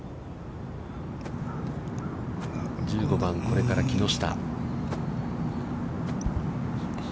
１５番、これから木下。